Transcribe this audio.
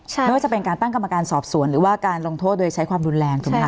ไม่ว่าจะเป็นการตั้งกรรมการสอบสวนหรือว่าการลงโทษโดยใช้ความรุนแรงถูกไหมค